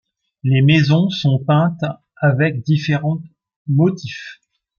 Les maisons sont peintes avec différents motifs.